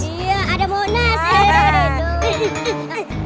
iya ada monas